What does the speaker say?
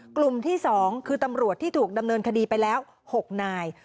กลุ่มที่๒คือตำรวจที่ถูกดำเนินคดีไปแล้ว๖นาย